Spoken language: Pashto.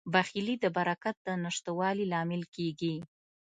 بخیلي د برکت د نشتوالي لامل کیږي.